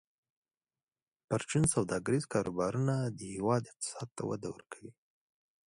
پرچون سوداګریز کاروبارونه د هیواد اقتصاد ته وده ورکوي.